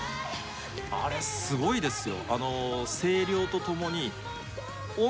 あれすごいですよ。